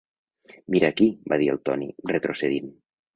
"Mira aquí," va dir el Tony, retrocedint.